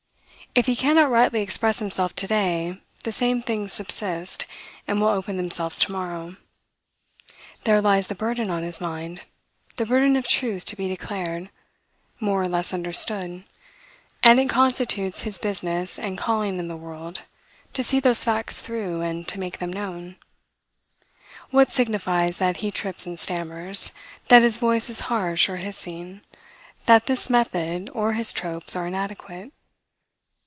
If he cannot rightly express himself to day, the same things subsist, and will open themselves to morrow. There lies the burden on his mind the burden of truth to be declared, more or less understood; and it constitutes his business and calling in the world, to see those facts through, and to make them known. What signifies that he trips and stammers; that his voice is harsh or hissing; that this method or his tropes are inadequate?